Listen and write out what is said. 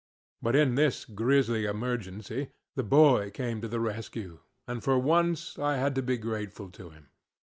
But in this grisly emergency, the boy came to the rescue, and for once I had to be grateful to him.